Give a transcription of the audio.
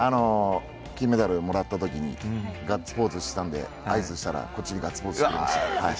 金メダルをもらった時にガッツポーズしてたので合図したらこっちにガッツポーズされました。